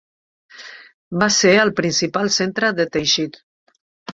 Va ser el principal centre de teixit.